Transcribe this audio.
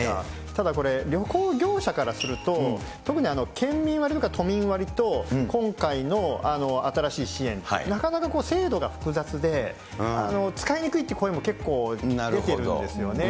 ただこれ、旅行業者からすると、特に県民割とか都民割と、今回の新しい支援、なかなか制度が複雑で、使いにくいって声も結構出ているんですよね。